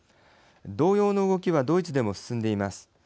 同様の動きはドイツでも進んでいます。